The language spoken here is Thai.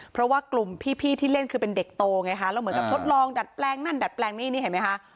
เพราะว่ากลุ่มพี่ที่เล่นคือเป็นเด็กโตไงคะแล้วเหมือนกับทดลองดัดแปลงนั่นดัดแปลงนี่นี่เห็นไหมคะ